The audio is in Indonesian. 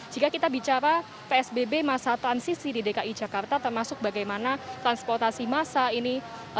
jika kita bicara psbb masa transisi di dki jakarta termasuk bagaimana transportasi massa ini